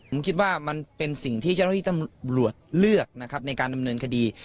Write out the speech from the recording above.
ผมคิดว่ามันเป็นสิ่งที่จะให้ตำรวจเลือกในการดำเนินคดี